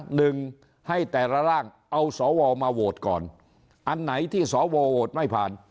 หนึ่งให้แต่ละร่างเอาสวมาโหวตก่อนอันไหนที่สวโหวตไม่ผ่าน